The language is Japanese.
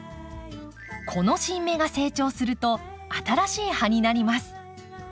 この新芽が成長すると新しい葉になります。